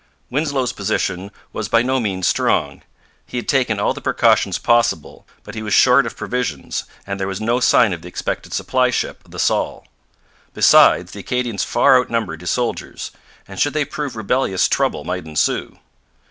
Winslow's position was by no means strong. He had taken all the precautions possible; but he was short of provisions, and there was no sign of the expected supply ship, the Saul. Besides, the Acadians far outnumbered his soldiers, and should they prove rebellious trouble might ensue.